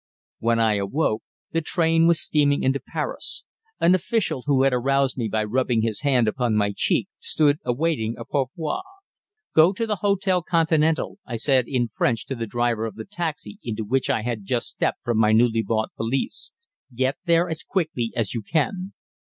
When I awoke, the train was steaming into Paris; an official, who had aroused me by rubbing his hand upon my cheek, stood awaiting a pourboire. "Go to the Hotel Continental," I said in French to the driver of the taxi into which I had just stepped with my newly bought valise. "Get there as quickly as you can."